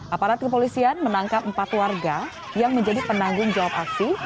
aparat kepolisian menangkap empat warga yang menjadi penanggung jawab aksi